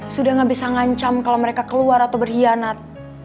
sudah gak bisa ngancam kalau mereka keluar atau berkhianat